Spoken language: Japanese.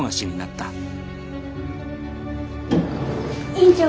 院長。